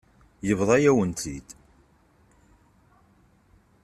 Yebḍa-yawen-tt-id.